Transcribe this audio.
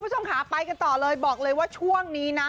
คุณผู้ชมค่ะไปกันต่อเลยบอกเลยว่าช่วงนี้นะ